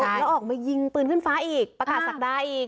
แล้วออกมายิงปืนขึ้นฟ้าอีกประกาศศักดาอีก